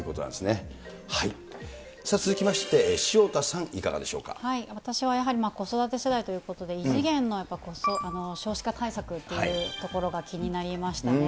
続きまして、潮田さん、いかがで私はやはり子育て世代ということで、異次元の少子化対策というところが気になりましたね。